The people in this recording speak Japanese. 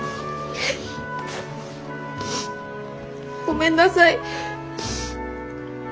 ごめんなさい。